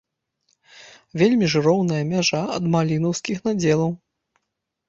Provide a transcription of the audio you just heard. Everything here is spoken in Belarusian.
Вельмі ж роўная мяжа ад малінаўскіх надзелаў.